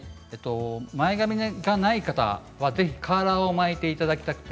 前髪がない方はぜひカーラーを巻いていただきたくて。